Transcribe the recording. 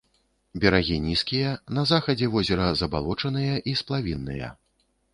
Берагі нізкія, на захадзе возера забалочаныя і сплавінныя.